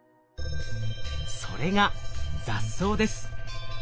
それが雑草です。